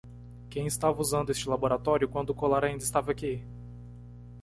Quem estava usando este laboratório quando o colar ainda estava aqui?